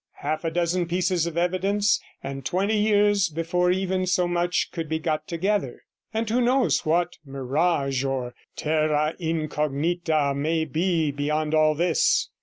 Half a dozen pieces of evidence, and twenty years before even so much could be got together; and who knows what mirage or terra incognita may be beyond all this?